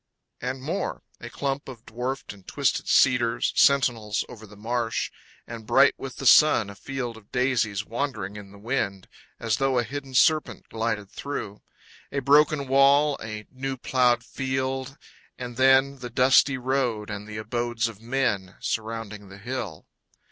And more: a clump of dwarfed and twisted cedars, Sentinels over the marsh, and bright with the sun A field of daises wandering in the wind As though a hidden serpent glided through, A broken wall, a new plowed field, and then The dusty road and the abodes of men Surrounding the hill.